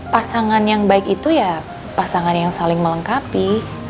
pasangan yang baik itu ya pasangan yang saling melengkapi